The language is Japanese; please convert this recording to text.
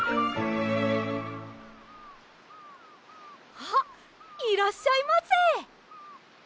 あっいらっしゃいませ。